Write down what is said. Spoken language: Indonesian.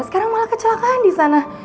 sekarang malah kecelakaan di sana